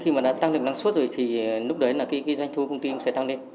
khi mà nó tăng được năng suất rồi thì lúc đấy là cái doanh thu công ty cũng sẽ tăng lên